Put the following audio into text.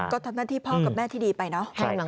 ก็ทำหน้าที่พ่อกับแม่ที่ดีไปเนาะ